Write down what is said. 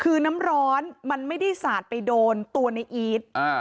คือน้ำร้อนมันไม่ได้สาดไปโดนตัวในอีท